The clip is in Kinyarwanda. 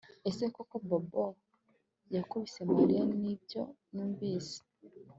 Ese koko Bobo yakubise Mariya Nibyo numvise